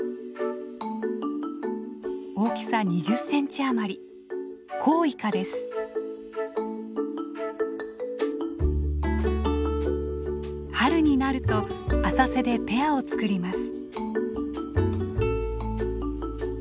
大きさ２０センチあまり春になると浅瀬でペアを作ります。